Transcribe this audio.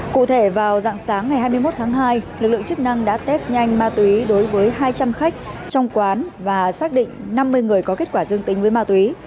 cụ thể vào dạng sáng ngày hai mươi một tháng hai lực lượng chức năng đã test nhanh ma túy đối với hai trăm linh khách trong quán và xác định năm mươi người có kết quả dương tính với ma túy